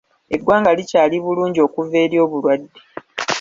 Eggwanga likyali bulungi okuva eri obulwadde.